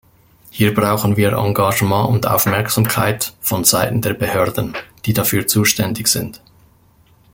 Hier brauchen wir Engagement und Aufmerksamkeit vonseiten der Behörden, die dafür zuständig sind.